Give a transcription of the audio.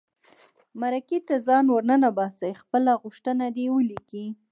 مرکې ته ځان ور ننباسي خپله غوښتنه دې ولیکي.